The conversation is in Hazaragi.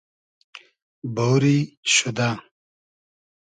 بۉری شودۂ